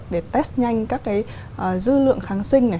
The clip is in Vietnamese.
để test nhanh các cái dư lượng kháng sinh